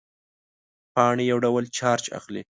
پاڼې یو ډول چارج اخلي.